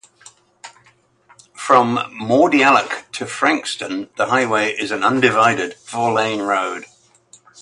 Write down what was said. From Mordialloc to Frankston, the highway is an undivided four lane road.